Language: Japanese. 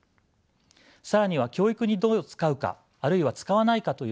更には教育にどう使うかあるいは使わないかという問題があります。